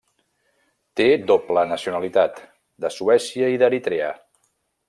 Té doble nacionalitat, de Suècia i d'Eritrea.